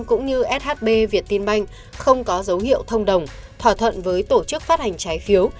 cũng như shb việt tin banh không có dấu hiệu thông đồng thỏa thuận với tổ chức phát hành trái phiếu